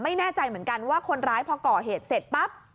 ไม่แน่ใจเหมือนกันว่าคนร้ายพอก่อเหตุเสร็จปั๊บ